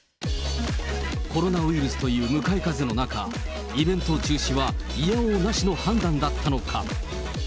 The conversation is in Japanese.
コロナウイルスという向かい風の中、イベント中止は否応なしの判断だったのか。